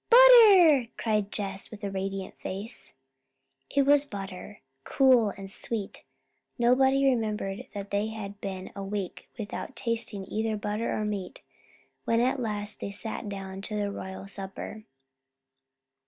"Butter!" cried Jess with a radiant face. It was butter, cool and sweet. Nobody remembered that they had been a week without tasting either butter or meat when at last they sat down to their royal supper.